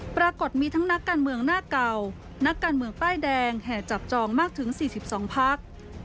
ปรากฏมีทั้งนักการเมืองหน้าเก่านักการเมืองป้ายแดงแห่จับจองมากถึง๔๒พัก